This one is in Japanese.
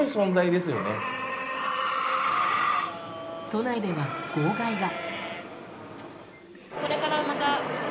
都内では号外が。